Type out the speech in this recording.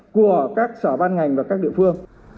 của các sở ban ngành và các địa phương